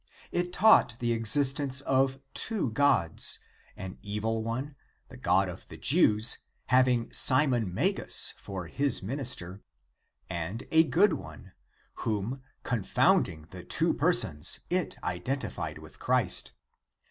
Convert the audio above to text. It taught the existence of two Gods — an evil one, the God of the Jews, having Simon IMagus for his minister; and a good one, whom, confounding the two Persons it iden tified with Christ.